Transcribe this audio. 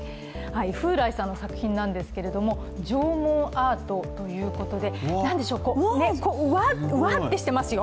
猪風来さんの作品なんですけれども縄文アートということで、わってしてますよ。